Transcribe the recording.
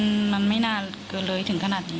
ใช่มันไม่น่าเกอร์เร้อยถึงขนาดนี้